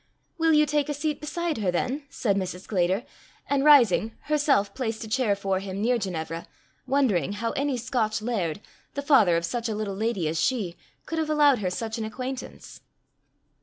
"Will you take a seat beside her, then," said Mrs. Sclater, and rising, herself placed a chair for him near Ginevra, wondering how any Scotch laird, the father of such a little lady as she, could have allowed her such an acquaintance.